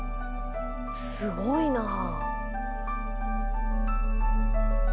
すごいなあ。